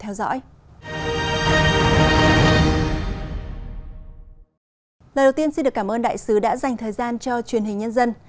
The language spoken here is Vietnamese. lời đầu tiên xin được cảm ơn đại sứ đã dành thời gian cho truyền hình nhân dân